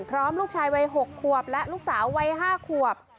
พร้อมลูกชายวัย๖ขวบและลูกสาววัย๕ขวบ